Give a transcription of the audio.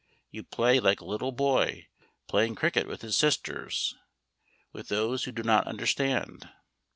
You play like a little boy playing cricket with his sisters, with those who do not understand.